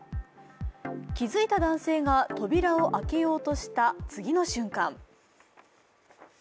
気付いた男性が扉を開けようとした次の瞬間。